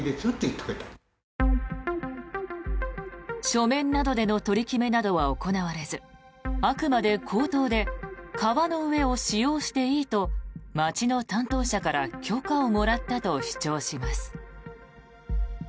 書面などでの取り決めなどは行われずあくまで口頭で川の上を使用していいと町の担当者から許可をもらったと主張します。